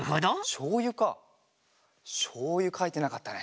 しょうゆか？